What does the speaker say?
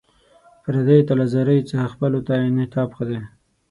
پردیو ته له زاریو څخه خپلو ته انعطاف ښه دی.